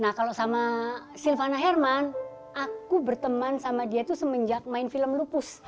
nah kalau sama silvana herman aku berteman sama dia itu semenjak main film lupus